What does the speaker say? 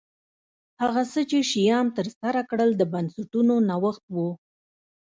هغه څه چې شیام ترسره کړل د بنسټونو نوښت و